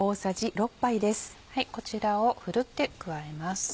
こちらをふるって加えます。